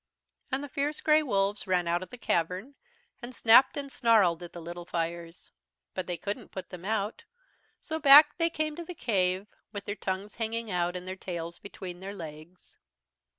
"And the fierce grey wolves ran out of the cavern, and snapped and snarled at the little fires. But they couldn't put them out. So back they came to the cave, with their tongues hanging out and their tails between their legs.